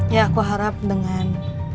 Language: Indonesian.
ya aku harap dengan